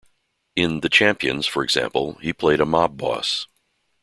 In "The Champions", for example, he played a mob boss.